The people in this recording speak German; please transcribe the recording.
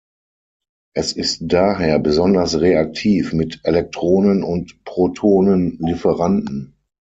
Es ist daher besonders reaktiv mit Elektronen- und Protonen-Lieferanten.